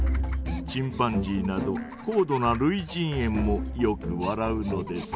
チンパンジーなど高度なるいじんえんもよく笑うのです。